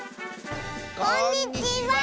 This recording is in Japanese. こんにちは！